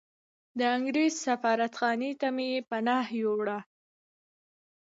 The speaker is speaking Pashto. د انګریز سفارتخانې ته مې پناه یووړه.